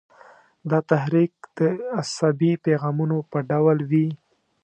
دا تحریک د عصبي پیغامونو په ډول وي.